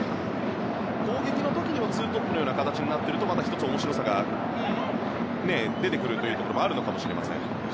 攻撃の時にも２トップのような形になるのはまた１つ、面白さが出てくるところもあるかもしれません。